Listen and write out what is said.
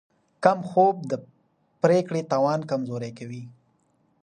کم خوب د پرېکړې توان کموي.